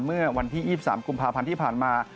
เมื่อวันที่๒๓กุมภาพันธ์ที่ผ่านมา